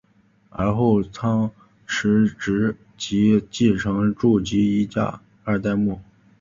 而后仓持直吉继承住吉一家二代目。